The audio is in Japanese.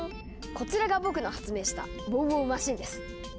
こちらが僕の発明した「ウォウウォウマシーン」です。